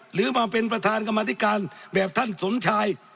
หรือมาเป็นประธานกรรมธิการแบบท่านสมชาย